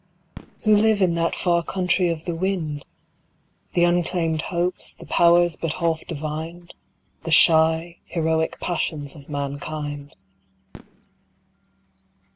Who live in that far country of the wind? The unclaimed hopes, the powers but half divined, The shy, heroic passions of mankind.